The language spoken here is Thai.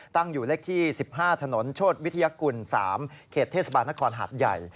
ตั้งอยู่เลขที่๑๕ถนนโชธวิทยากุล๓เขตเทศบาลนครหัดใหญ่